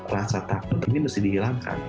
rasa takut ini mesti dihilangkan